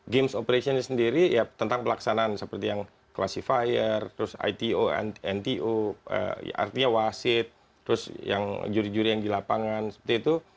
games operation sendiri ya tentang pelaksanaan seperti yang classifier terus ito nto artinya wasit terus yang juri juri yang di lapangan seperti itu